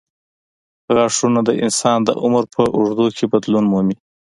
غاښونه د انسان د عمر په اوږدو کې بدلون مومي.